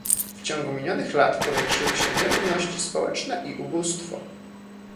W ciągu minionych lat powiększyły się nierówności społeczne i ubóstwo